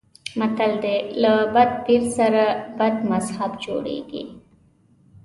متل دی: له بد پیر سره بد مذهب جوړېږي.